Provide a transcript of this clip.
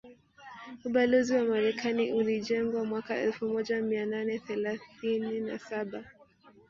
Ubalozi wa Marekani ulijengwa mwaka elfu moja mia nane thelathine na saba